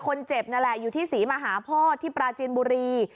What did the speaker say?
คนเจ็บนั่นแหละอยู่ที่ศรีมหาโพธิที่ปราจินบุรี